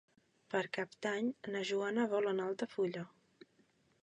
Per Cap d'Any na Joana vol anar a Altafulla.